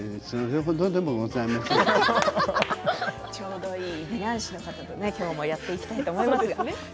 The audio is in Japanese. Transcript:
笑い声ちょうどいい美男子の方ときょうもやっていきたいと思います。